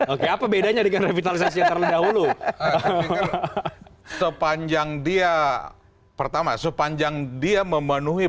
oke apa bedanya dengan revitalisasi yang terdahulu sepanjang dia pertama sepanjang dia memenuhi